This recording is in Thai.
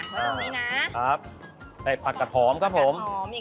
ไม๊น้ำนี้นะใกล้ผัดกระด่อหอมครับผม